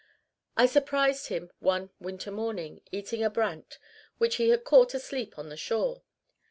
I surprised him early one winter morning eating a brant, which he had caught asleep on the shore.